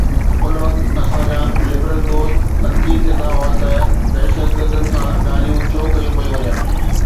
ان وقت اسان جا لبرل دوست تنقيد ڪندا هئا ته دهشتگردن سان ڳالهيون ڇو ڪيون پيون وڃن؟